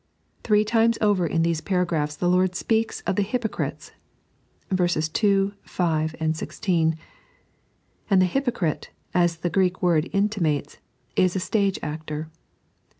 Three times over in these paragraphs the Lord speaks of the hypocrites (w. 2,8,16); and the hypocrite, as the Greek word intimates, is a stage actor.